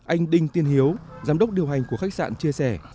anh đinh tiên hiếu giám đốc điều hành của khách sạn chia sẻ